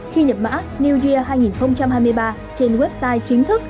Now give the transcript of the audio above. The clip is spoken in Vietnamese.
khi nhập mã new year hai nghìn hai mươi ba trên website chính thức